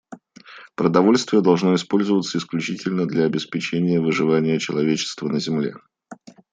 Продовольствие должно использоваться исключительно для обеспечения выживания человечества на Земле.